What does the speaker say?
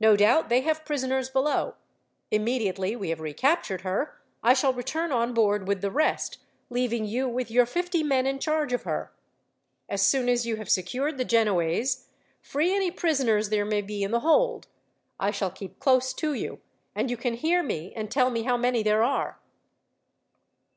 "No doubt they have prisoners below. Immediately we have recaptured her, I shall return on board with the rest, leaving you with your fifty men in charge of her. As soon as you have secured the Genoese, free any prisoners there may be in the hold. I shall keep close to you, and you can hear me, and tell me how many there are."